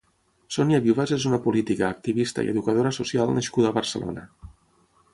Sonia Vivas és una política, activista i educadora social nascuda a Barcelona.